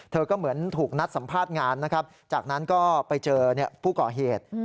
ก็เหมือนถูกนัดสัมภาษณ์งานนะครับจากนั้นก็ไปเจอผู้ก่อเหตุ